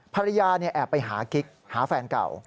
ภรรยาแอบไปหากิ๊กหาแฟนเก่า